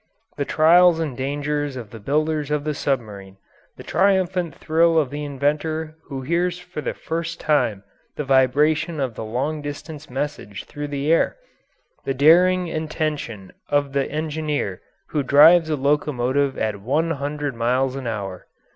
The trials and dangers of the builders of the submarine; the triumphant thrill of the inventor who hears for the first time the vibration of the long distance message through the air; the daring and tension of the engineer who drives a locomotive at one hundred miles an hour.